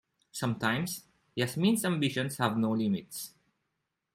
Sometimes Yasmin's ambitions have no limits.